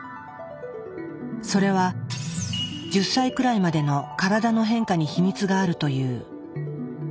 それは１０歳くらいまでの体の変化にヒミツがあるという。